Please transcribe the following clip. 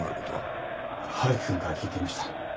「春樹くんから聞いていました」